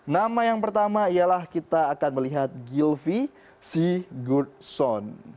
nama yang pertama ialah kita akan melihat gilvi sigurdsson